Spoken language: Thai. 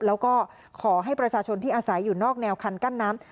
แล้วก็ขอให้ประชาชนที่อาศัยอยู่นอกแนวคันกั้นน้ำ